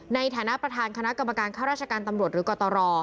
ในฐานะประธานคณะกรรมการข้าราชการตำรวจหรือกตร